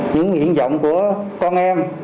những hiện vọng của con em